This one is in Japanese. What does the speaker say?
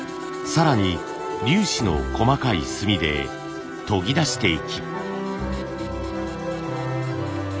更に粒子の細かい炭で研ぎ出していき。